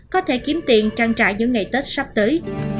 có thể kiếm tiền trang trải những ngày tết sắp tới